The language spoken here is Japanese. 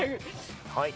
はい。